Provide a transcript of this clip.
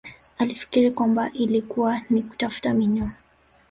Akifikiri kwamba ilikuwa ni kutafuta minyoo